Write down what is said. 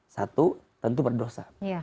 satu tentu berdosa